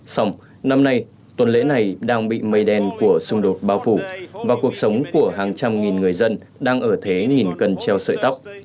xong năm nay tuần lễ này đang bị mây đen của xung đột bao phủ và cuộc sống của hàng trăm nghìn người dân đang ở thế nghìn cần treo sợi tóc